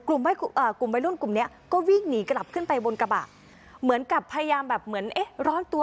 กลุ่มวัยรุ่นกลุ่มเนี้ยก็วิ่งหนีกลับขึ้นไปบนกระบะเหมือนกับพยายามแบบเหมือนเอ๊ะร้อนตัว